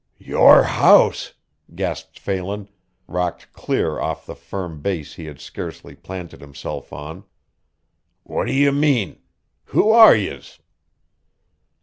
"Your house!" gasped Phelan, rocked clear off the firm base he had scarcely planted himself on. "What do ye mean who are yez?"